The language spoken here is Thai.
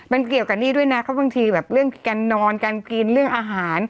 มันเกี่ยวกับนี่ด้วยนะเพราะบางทีแบบเรื่องการนอนการกินเรื่องอาหาร